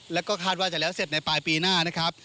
แล้วก็คาดว่าจะแล้วเสร็จในปลายปีหน้านะครับ